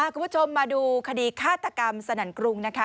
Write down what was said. คุณผู้ชมมาดูคดีฆาตกรรมสนั่นกรุงนะคะ